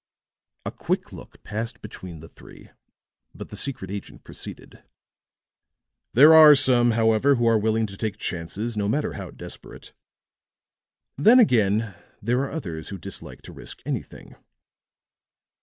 A quick look passed between the three; but the secret agent proceeded: "There are some, however, who are willing to take chances, no matter how desperate. Then, again, there are others who dislike to risk anything.